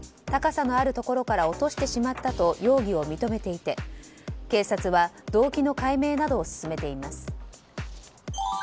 高さのあるところから落としてしまったと容疑を認めていて警察は動機の解明などを進めています。